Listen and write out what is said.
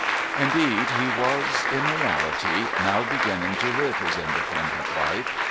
Indeed, he was, in reality, now beginning to live his independent life.